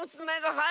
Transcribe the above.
はい！